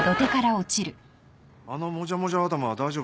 あのもじゃもじゃ頭は大丈夫なのか？